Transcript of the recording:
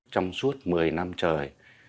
trong suốt một mươi năm trời